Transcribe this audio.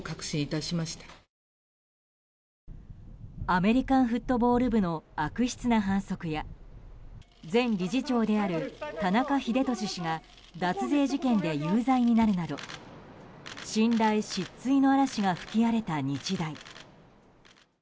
アメリカンフットボール部の悪質な反則や前理事長である田中英寿氏が脱税事件で有罪になるなど信頼失墜の嵐が吹き荒れた日大。